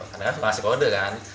kadang kadang masih kode kan